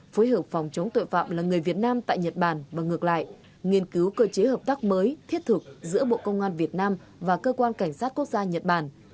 phối hợp phòng chống tội phạm là người việt nam tại nhật bản và ngược lại nghiên cứu cơ chế hợp tác mới thiết thực giữa bộ công an việt nam và cơ quan cảnh sát quốc gia nhật bản